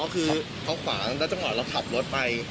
คือเขาขวางแล้วจังหวะเราขับรถไป